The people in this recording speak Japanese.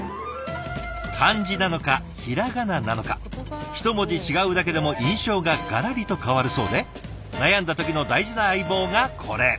漢字なのか平仮名なのか１文字違うだけでも印象ががらりと変わるそうで悩んだ時の大事な相棒がこれ。